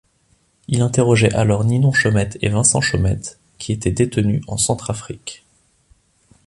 Il interrogeait alors Ninon Chaumette et Vincent Chaumette, qui était détenu en Centrafrique.